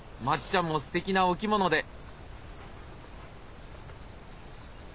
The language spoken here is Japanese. まっちゃんもすてきなお着物で。